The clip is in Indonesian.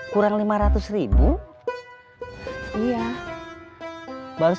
kurang lima ratus ribu